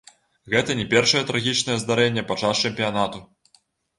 Гэта не першае трагічнае здарэнне падчас чэмпіянату.